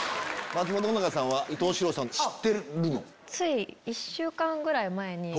松本穂香さんは伊東四朗さん知ってるの？